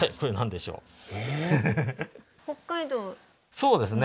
そうですね。